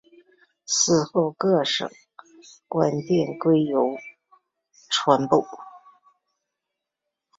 嗣后各省官电归邮传部。